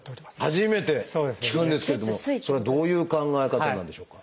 初めて聞くんですけれどもそれはどういう考え方なんでしょうか？